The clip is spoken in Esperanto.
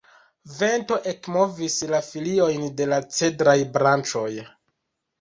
Vento ekmovis la foliojn de la cedraj branĉoj.